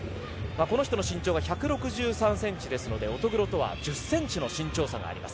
この人の身長が１６３ｃｍですので乙黒とは１０ｃｍの身長差があります。